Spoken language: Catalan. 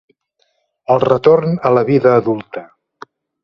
El retorn a la vida adulta.